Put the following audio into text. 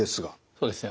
そうですね。